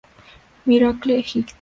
Miracle High Tension!